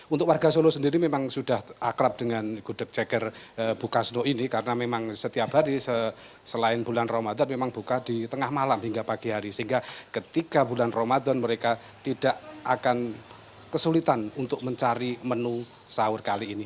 untuk warga solo sendiri memang sudah akrab dengan gudeg ceker bukaslo ini karena memang setiap hari selain bulan ramadan memang buka di tengah malam hingga pagi hari sehingga ketika bulan ramadan mereka tidak akan kesulitan untuk mencari menu sahur kali ini